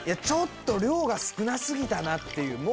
ちょっと量が少なすぎたなっていう。